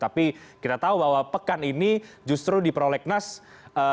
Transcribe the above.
tapi kita tahu bahwa pekan ini justru diprolegnasi